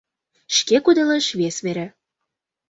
Шке кудалеш вес вере